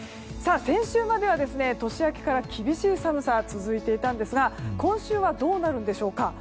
先週までは年明けから厳しい寒さが続いていたんですが今週はどうなるんでしょうか。